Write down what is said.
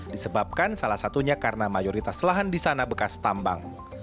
disebabkan salah satunya karena mayoritas lahan di sana bekas tambang